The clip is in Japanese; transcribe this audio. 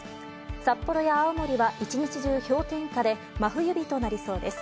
札幌や青森は一日中氷点下で、真冬日となりそうです。